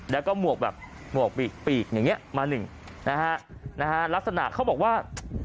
แล้วก็หมวกแบบหมวกปีกปีกอย่างเงี้มาหนึ่งนะฮะนะฮะลักษณะเขาบอกว่า